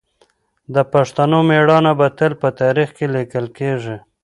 د پښتنو مېړانه به تل په تاریخ کې لیکل کېږي.